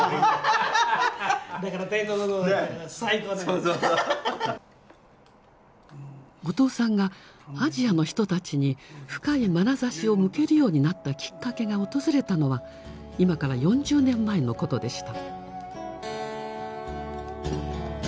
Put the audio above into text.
後藤さんがアジアの人たちに深いまなざしを向けるようになったきっかけが訪れたのは今から４０年前のことでした。